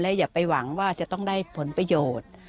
อย่าไปหวังว่าจะต้องได้ผลประโยชน์